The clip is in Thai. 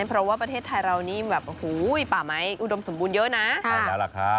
เพราะว่าประเทศไทยเรานี่แบบโอ้โหป่าไม้อุดมสมบูรณ์เยอะนะ